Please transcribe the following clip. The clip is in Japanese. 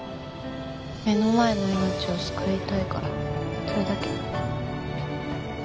目の前の命を救いたいからそれだけ。